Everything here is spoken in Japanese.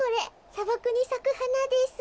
さばくにさくはなです。